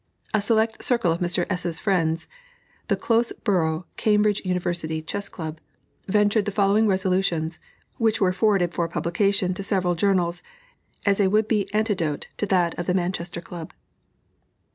A select circle of Mr. S.'s friends, the close borough Cambridge University Chess Club, ventured the following resolutions, which were forwarded for publication to several journals, as a would be antidote to that of the Manchester Club.